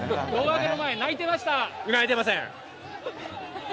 胴上げの前、泣いてません。